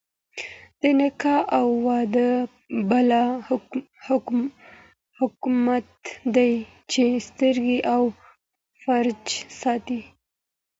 د نکاح او واده بل حکمت دادی، چي سترګي او فرج ساتي